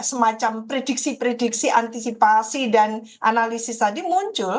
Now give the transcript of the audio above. semacam prediksi prediksi antisipasi dan analisis tadi muncul